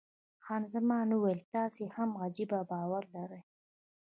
خان زمان وویل، تاسې هم عجبه باور لرئ.